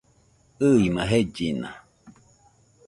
ɨɨma jellina